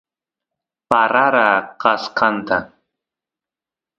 parara kaskanta